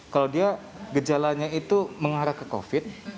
kalau dia gejalanya itu mengarah ke covid